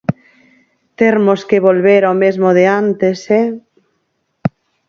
Termos que volver ao mesmo de antes, eh.